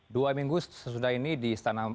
dua minggu sesudah ini di istana